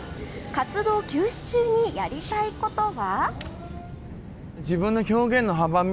活動休止中にやりたいことは。